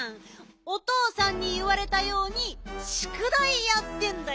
おとうさんにいわれたようにしゅくだいやってんだよ。